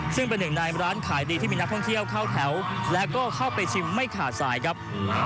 ซึ่งเป็นหนึ่งในร้านขายดีที่มีนักท่องเที่ยวเข้าแถวและก็เข้าไปชิมไม่ขาดสายครับ